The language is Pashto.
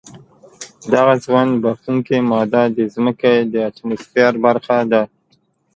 دغه ژوند بښونکې ماده د ځمکې د اتموسفیر برخه ده.